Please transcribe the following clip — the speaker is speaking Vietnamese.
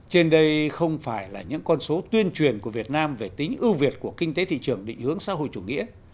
trên đây không phải là những con số tuyên truyền của việt nam về tính ưu việt của kinh tế thị trường định hướng xã hội chủ nghĩa